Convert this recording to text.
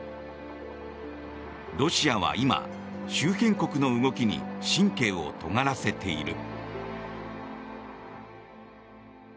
ロシアは今、周辺国の動きに神経をとがらせている。